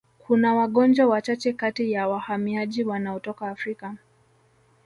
Kuna wagonjwa wachache kati ya wahamiaji wanaotoka Afrika